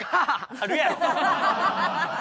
あるやろ！